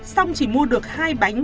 xong chỉ mua được hai bánh